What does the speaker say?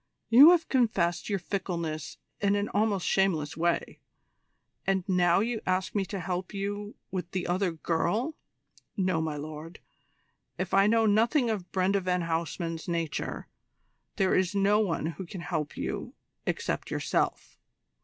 You have confessed your fickleness in an almost shameless way; and now you ask me to help you with the other girl! No, my lord: if I know anything of Brenda van Huysman's nature, there is no one who can help you except yourself.